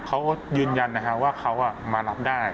เขายืนยันว่าเขามารับได้